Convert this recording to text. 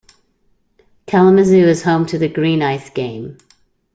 Kalamazoo is home to the "Green Ice Game".